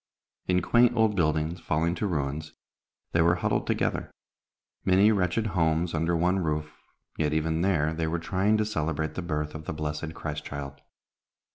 In quaint old buildings, falling to ruins, they were huddled together, many wretched homes under one roof, yet even there they were trying to celebrate the birth of the blessed Christ child.